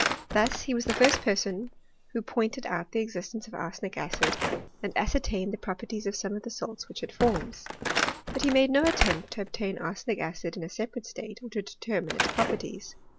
"jDius he was the first person who pointed out the existence of arsenic acid, and ascertained the properties of some of the salts which it forms. But he made no attempt to ob tain arsenic acid in a separate state, or to determine its properties.